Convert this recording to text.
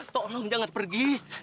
tolong jangan pergi